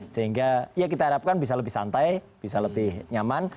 sehingga ya kita harapkan bisa lebih santai bisa lebih nyaman